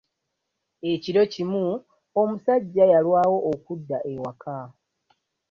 Ekiro kimu, omusajja yalwawo okudda ewaka.